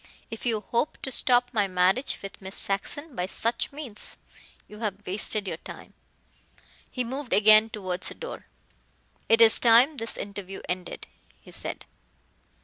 "If you hope to stop my marriage with Miss Saxon by such means, you have wasted your time," he moved again towards the door. "It is time this interview ended," he said.